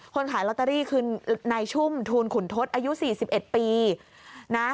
คนขายล็อตเตอรี่คือนายชุ่มทูลขุนทศอายุสี่สิบเอ็ดปีนะ